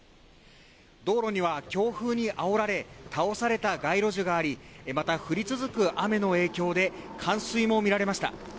道路には強風にあおられ、倒された街路樹がありまた、降り続く雨の影響で冠水も見られました。